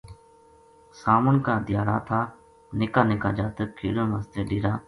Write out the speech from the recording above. ساون کا دھیاڑا تھا نِکا نِکا جاتک کھیڈن واسطے ڈیرا